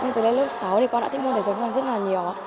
nhưng từ lớp sáu thì con đã thích môn thể dục hơn rất là nhiều